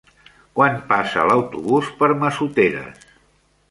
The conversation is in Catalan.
Quan passa l'autobús per Massoteres?